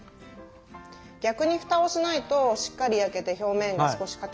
逆に蓋をしないとしっかり焼けて表面が少しかためになります。